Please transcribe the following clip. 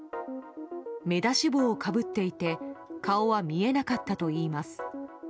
目出し帽をかぶっていて顔は見えなかったといいます。